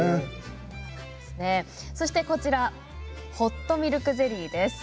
そしてホットミルクゼリーです。